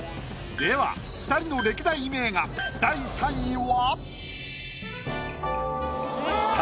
では二人の歴代名画第３位は。